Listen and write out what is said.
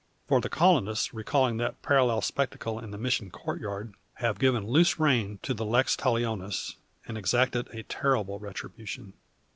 For the colonists, recalling that parallel spectacle in the Mission courtyard, have given loose rein to the lex talionis, and exacted a terrible retribution.